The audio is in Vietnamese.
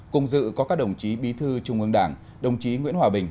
cùng dự có các đồng chí bí thư trung ương đảng đồng chí nguyễn hòa bình